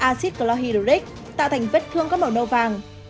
axit chlorhydric tạo thành vết thương có màu nâu vàng